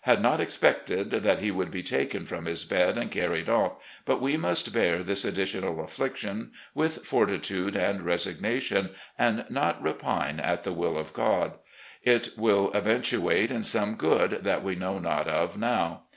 Had not expected that he would be taken from his bed and carried off, but we must bear this additional affliction with fortitude and resignation, and not repine at the will of God. It will eventuate in some good that we know not of now.